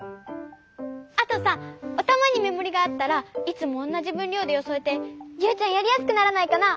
あとさおたまにめもりがあったらいつもおんなじぶんりょうでよそえてユウちゃんやりやすくならないかな？